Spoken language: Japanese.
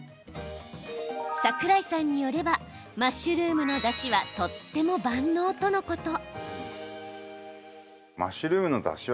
桜井さんによればマッシュルームのだしはとっても万能とのこと。